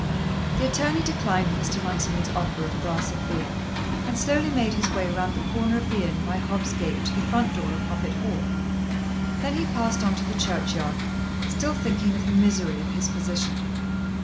The attorney declined Mr. Runciman's offer of a glass of beer and slowly made his way round the corner of the inn by Hobb's gate to the front door of Hoppet Hall. Then he passed on to the churchyard, still thinking of the misery of his position.